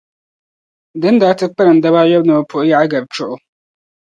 Di ni daa ti kpalim daba ayɔbu ni bɛ puhi Yaɣigari Chuɣu.